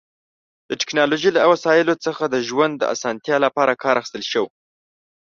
د ټیکنالوژی له وسایلو څخه د ژوند د اسانتیا لپاره کار اخیستلی شو